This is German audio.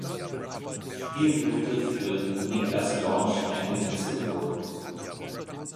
Spielminute für Niklas Dorsch eingewechselt wurde.